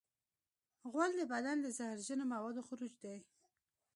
غول د بدن د زهرجنو موادو خروج دی.